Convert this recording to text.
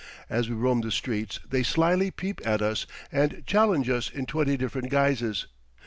As we roam the streets they slyly peep at us and challenge us in twenty different guises.